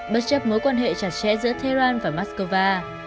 bất chấp mối quan hệ chặt chẽ giữa tehran và mắc cơ va